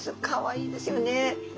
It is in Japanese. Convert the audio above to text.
かわいいですよね。